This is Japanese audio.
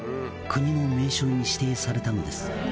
国の名勝に指定されたのです」